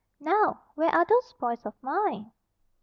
Now! Where are those boys of mine?"